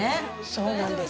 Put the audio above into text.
そうなんです。